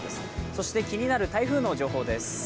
そして気になる台風の情報です。